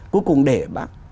cuối cùng để bác